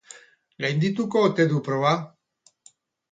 Gaindituko ote du proba?